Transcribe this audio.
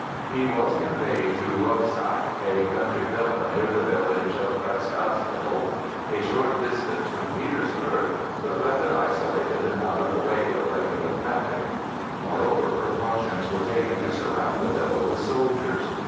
He was conveyed to Robzak, a country villa near the village of Kraskazelo, a short distance from Petersburg, but rather isolated and out of the way of the regular traffic. Moreover precautions were taken to surround the villa with soldiers.